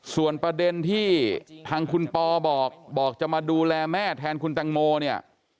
ส่วนประเด็นที่ทางคุณปอบอกบอกจะมาดูแลแม่แทนคุณตังโมเนี่ย